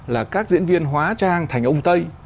là các diễn viên hóa trang thành ông tây